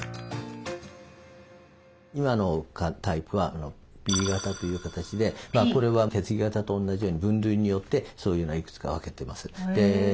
今のタイプはＰ型という形でこれは血液型と同じように分類によってそういうのはいくつか分けてます。